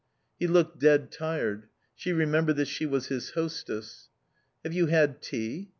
He looked dead tired. She remembered that she was his hostess. "Have you had tea?"